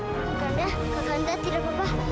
kakanda kakanda tidak apa apa